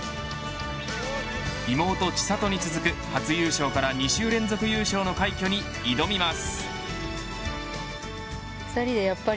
妹、千怜に続く初優勝から２週連続優勝の快挙に挑みます。